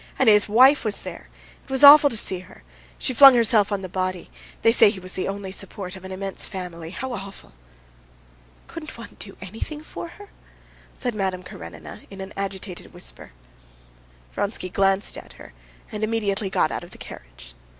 "And his wife was there.... It was awful to see her!... She flung herself on the body. They say he was the only support of an immense family. How awful!" "Couldn't one do anything for her?" said Madame Karenina in an agitated whisper. Vronsky glanced at her, and immediately got out of the carriage.